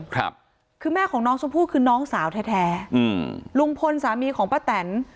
ครับคือแม่ของน้องชมพู่คือน้องสาวแท้แท้อืมลุงพลสามีของป้าแตน